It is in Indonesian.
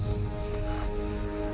masih ada yang mau ngomong